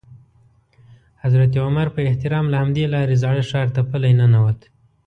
حضرت عمر په احترام له همدې لارې زاړه ښار ته پلی ننوت.